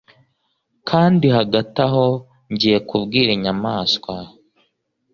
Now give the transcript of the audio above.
kandi hagati aho ngiye kubwira inyamaswa